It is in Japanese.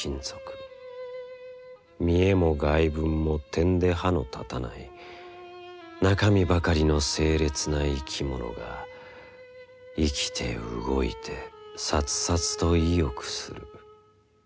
見えも外聞もてんで歯のたたない中身ばかりの清冽な生きものが生きて動いてさつさつと意欲する。